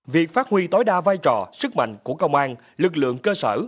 việc phát huy tối đa vai trò sức mạnh của công an lực lượng cơ sở